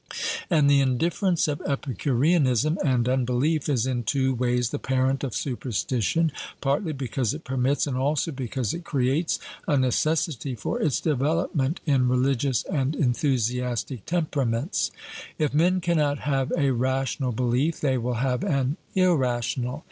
And the indifference of Epicureanism and unbelief is in two ways the parent of superstition, partly because it permits, and also because it creates, a necessity for its development in religious and enthusiastic temperaments. If men cannot have a rational belief, they will have an irrational.